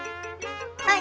はい！